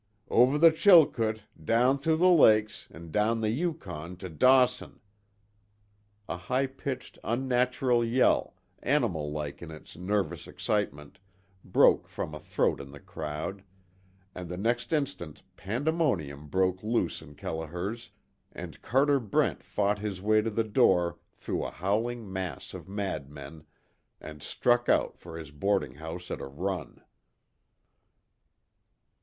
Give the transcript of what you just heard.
Over the Chilkoot, down through the lakes, an' down the Yukon to Dawson " A high pitched, unnatural yell, animal like in its nervous excitement broke from a throat in the crowd, and the next instant pandemonium broke loose in Kelliher's, and Carter Brent fought his way to the door through a howling mass of mad men, and struck out for his boarding house at a run.